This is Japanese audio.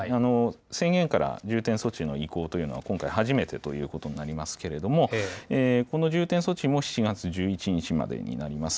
宣言から重点措置への移行というのは、今回初めてということになりますけれども、この重点措置も７月１１日までになります。